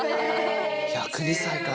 １０２歳か。